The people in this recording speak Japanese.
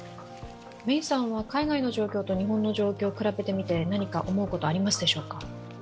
海外の状況と日本の状況を比べてみて、何か思うことはありますでしょうか？